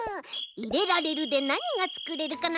「いれられる」でなにがつくれるかな？